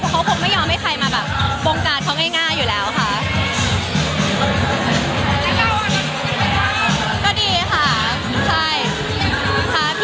เขาคงไม่ยอมให้ใครมาแบบบงการเขาง่ายอยู่แล้วค่ะ